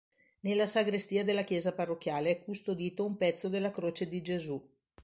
Nella Sagrestia della Chiesa Parrocchiale è custodito un pezzo della Croce di Gesù.